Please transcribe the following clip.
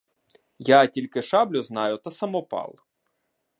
Я тільки шаблю знаю та самопал.